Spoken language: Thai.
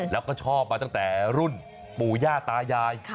แล้วก็ชอบมาตั้งแต่รุ่นปู่ย่าตายาย